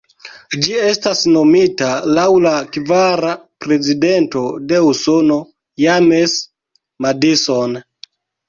Ĝi estas nomita laŭ la kvara prezidento de Usono, James Madison.